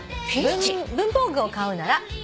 「文房具を買うなら」